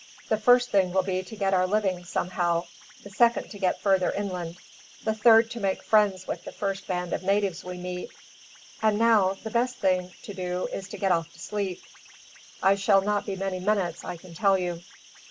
The first thing will be to get our living, somehow; the second to get further inland; the third to make friends with the first band of natives we meet. And now, the best thing to do is to go off to sleep. I shall not be many minutes, I can tell you."